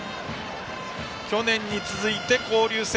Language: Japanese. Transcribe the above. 去年に続いて交流戦